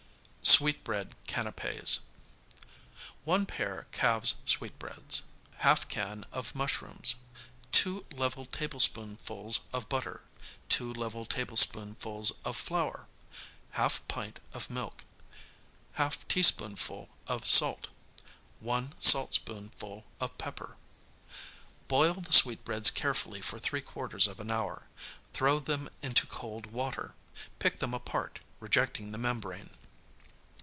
70 Sweetbread Canapķs 1 pair calf's sweetbreads Į can of mushrooms 2 level tablespoonfuls of butter 2 level tablespoonfuls of flour Į pint of milk Į teaspoonful of salt 1 saltspoonful of pepper Boil the sweetbreads carefully for three quarters of an hour; throw them into cold water; pick them apart, rejecting the membrane.